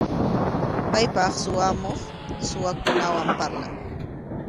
Paypaq suwamuq, suwakunawan parlan.